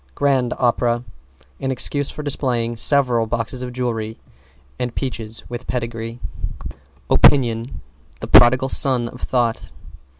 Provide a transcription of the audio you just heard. =GRAND OPERA= An excuse for displaying several boxes of jewelry and peaches with pedigrees. =OPINION= The prodigal son of Thought.